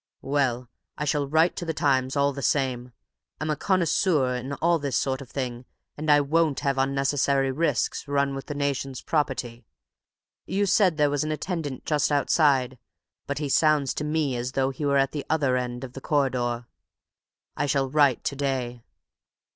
"Well, I shall write to the Times, all the same. I'm a connoisseur in all this sort of thing, and I won't have unnecessary risks run with the nation's property. You said there was an attendant just outside, but he sounds to me as though he were at the other end of the corridor. I shall write to day!"